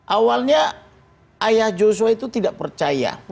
awalnya ayah joshua itu tidak percaya